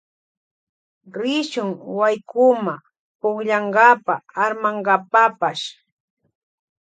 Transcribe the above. Rishun waykuma pukllankapa armankapapash.